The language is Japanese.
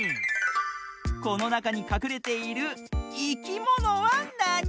このなかにかくれているいきものはなに？